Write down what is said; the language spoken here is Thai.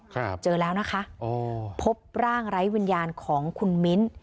ครับเจอแล้วนะคะอ๋อพบร่างไร้วิญญาณของคุณมิ้น